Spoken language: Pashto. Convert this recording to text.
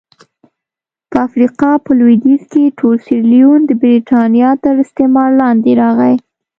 په افریقا په لوېدیځ کې ټول سیریلیون د برېټانیا تر استعمار لاندې راغی.